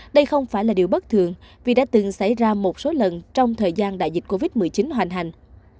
đây không phải là điều bất thường vì đã từng xảy ra một số lần trong thời gian đại dịch covid một mươi chín hoành hành